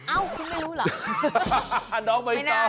อ้าวคุณไม่รู้เหรอ